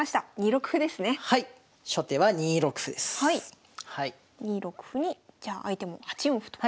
２六歩にじゃあ相手も８四歩と。